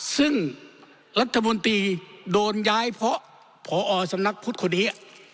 ซึ่งรัฐมนตรีโดนย้ายเพราะพอสำนักพุทธคนนี้